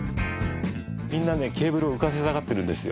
みんなねケーブルを浮かせたがってるんですよ。